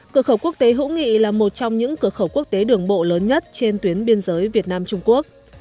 cửa khẩu quốc tế hữu nghị là một trong những cửa khẩu quốc tế đường bộ lớn nhất trên tuyến biên giới việt nam trung quốc